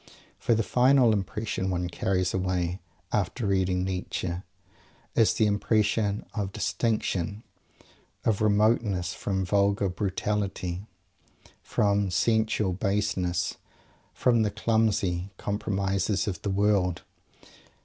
For the final impression one carries away, after reading Nietzsche, is the impression of "distinction," of remoteness from "vulgar brutality," from "sensual baseness," from the clumsy compromises of the world.